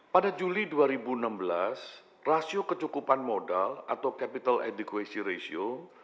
pada juli dua ribu enam belas rasio kecukupan modal atau capital adequacy ratio